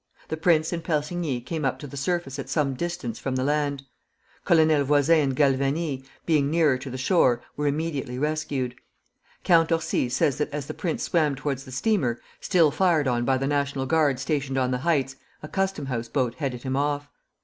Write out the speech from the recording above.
The prince and Persigny came up to the surface at some distance from the land. Colonel Voisin and Galvani, being nearer to the shore, were immediately rescued. Count Orsi says that as the prince swam towards the steamer, still fired on by the National Guard stationed on the heights, a custom house boat headed him off.